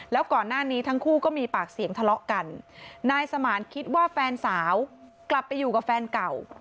แล้วก่อนหน้านี้ทั้งคู่ก็มีปากเสียงทะเลาะกันนายสมานคิดว่าแฟนสาวกลับไปอยู่กับแฟนเก่า